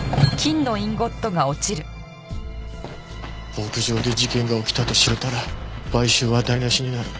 牧場で事件が起きたと知れたら買収は台無しになる。